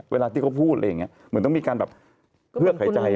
เวลาที่เขาพูดอะไรอย่างนี้เหมือนต้องมีการแบบเคลือกหายใจ